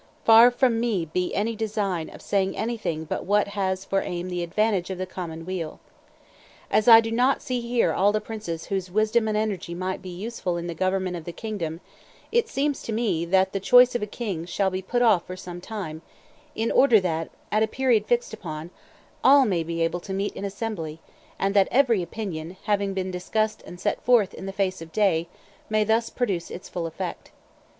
Far from me be any design of saying anything but what has for aim the advantage of the common weal. As I do not see here all the princes whose wisdom and energy might be useful in the government of the kingdom, it seems to me that the choice of a king should be put off for some time, in order that, at a period fixed upon, all may be able to meet in assembly, and that every opinion, having been discussed and set forth in the face of day, may thus produce its full effect.